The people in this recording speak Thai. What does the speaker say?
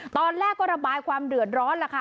ตอนแรกก็ระบายความเดือดร้อนล่ะค่ะ